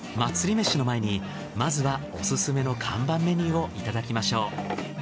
めしの前にまずはオススメの看板メニューをいただきましょう。